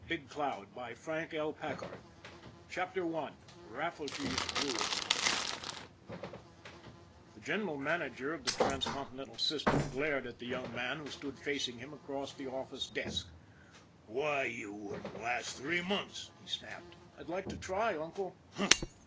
MUNFORD : 323 M532952 ON THE IRON AT BIG CLOUD RAFFERTY'S RULE THE General Manager of the Transcontinental System glared at the young man who stood facing him across the office desk. " Why, you wouldn't last three months !" he snapped. " I'd like to try, uncle." " Humph